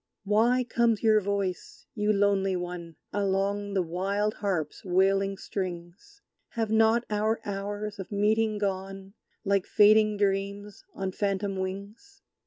Why comes your voice, you lonely One, Along the wild harp's wailing strings? Have not our hours of meeting gone, Like fading dreams on phantom wings?